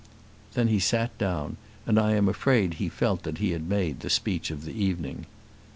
Then he sat down, and I am afraid he felt that he had made the speech of the evening.